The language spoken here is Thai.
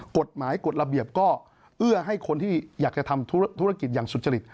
กฎหมายกฎระเบียบก็เอื้อให้คนที่อยากจะทำธุรกิจอย่างสุจริต